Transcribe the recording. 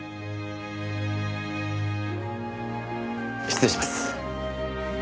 失礼します。